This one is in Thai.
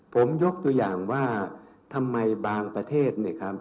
ผมยกตัวอย่างว่าทำไมบางประเทศ